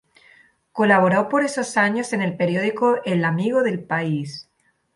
Colaboró por esos años en el periódico "El amigo del país".